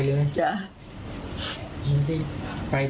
เอ่อแตกตัวไปเลย